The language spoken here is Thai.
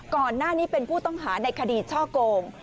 ก่อนหน้านี้เป็นผู้ต้องหาในคดีช่อโกง